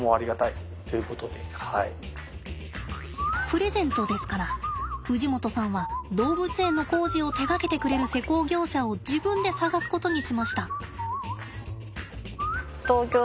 プレゼントですから氏夲さんは動物園の工事を手がけてくれる施工業者を自分で探すことにしました。